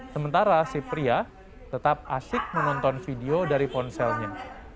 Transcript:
sementara si pria tetap asik menonton video dari ponselnya